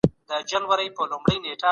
معاصر ارواپوهنه ازمايښتي ده.